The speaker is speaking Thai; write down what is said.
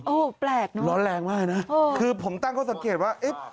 โอ้โหแปลกเนอะร้อนแรงมากนะคือผมตั้งข้อสังเกตว่าเอ๊ะ